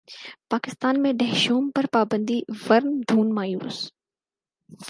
پاکستان میں ڈھشوم پر پابندی ورن دھون مایوس